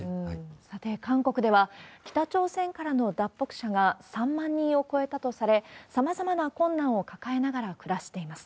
さて、韓国では、北朝鮮からの脱北者が３万人を超えたとされ、さまざまな困難を抱えながら暮らしています。